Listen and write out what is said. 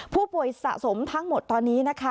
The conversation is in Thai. ผู้ป่วยสะสมทั้งหมดตอนนี้นะคะ